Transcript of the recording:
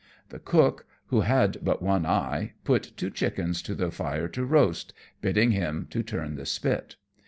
The cook, who had but one eye, put two chickens to the fire to roast, bidding him turn the spit.